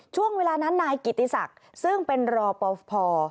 ช่วงเวลานั้นนายกิติศักดิ์ซึ่งเป็นรอปภ